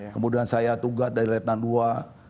kemudian saya tugas dari letnan ii